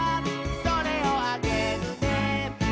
「それをあげるね」